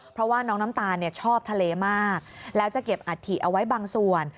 เพราะว่าน้องน้ำตาลชอบทะเลมากแล้วจะเก็บอัฐิเอาไว้บางส่วน